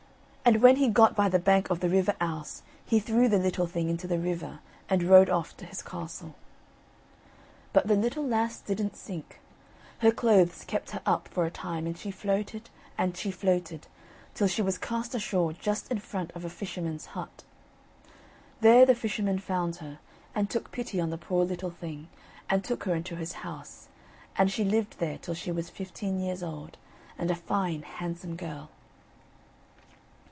And when he got by the bank of the river Ouse, he threw the little, thing into the river, and rode off to his castle. But the little lass didn't sink; her clothes kept her up for a time, and she floated, and she floated, till she was cast ashore just in front of a fisherman's hut. There the fisherman found her, and took pity on the poor little thing and took her into his house, and she lived there till she was fifteen years old, and a fine handsome girl.